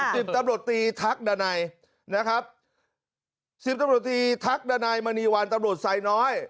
สิบตำรวจตีทักดันัยนะครับสิบตำรวจตีทักดันัยมณีวันตำรวจไซน้อย